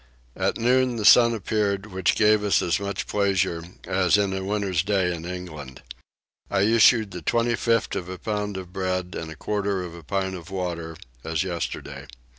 At noon the sun appeared, which gave us as much pleasure as in a winter's day in England. I issued the 25th of a pound of bread and a quarter of a pint of water, as yesterday.